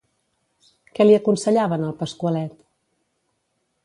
Què li aconsellaven al Pasqualet?